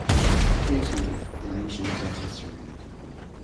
Occasionally the lesions are ulcerated.